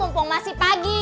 mumpung masih pagi